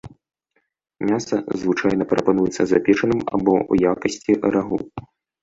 Мяса звычайна прапануецца запечаным або ў якасці рагу.